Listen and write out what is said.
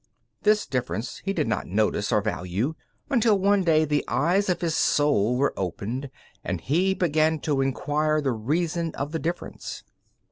This difference he did not notice or value, until one day the eyes of his soul were opened and he began to inquire the reason of the difference.